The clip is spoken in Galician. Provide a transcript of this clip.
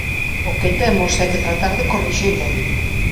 O que temos é que tratar de corrixilo.